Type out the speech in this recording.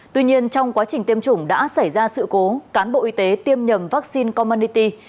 tuy nhiên trong quá trình tiêm chủng đã xảy ra sự cố cán bộ y tế tiêm nhầm vaccine comanity